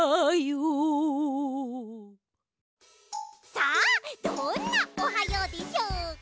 さあどんな「おはよう」でしょうか？